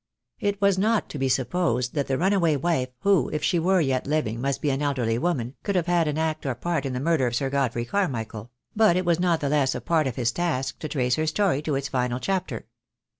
It was not to be supposed that the runaway wife, who, if she were yet living must be an elderly woman, could have had act or part in the murder of Sir Godfrey Carmichael; but it was not the less a part of his task to trace her story to its final chapter.